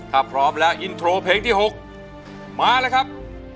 ถ้าพร้อมแล้วอินโทรเพลงที่๖มาเลยครับ